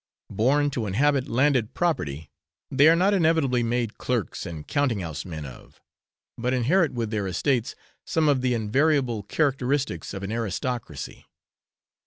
Born to inhabit landed property, they are not inevitably made clerks and counting house men of, but inherit with their estates some of the invariable characteristics of an aristocracy.